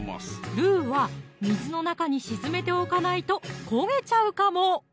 ルウは水の中に沈めておかないと焦げちゃうかも！